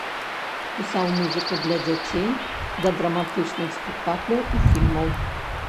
Пісаў музыку для дзяцей, да драматычных спектакляў і фільмаў.